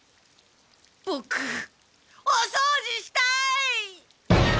ボクおそうじしたい！